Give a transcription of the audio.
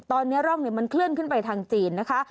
ตอนนี้ร่องมันเคลื่อนขึ้นไปทางจีนนะคะ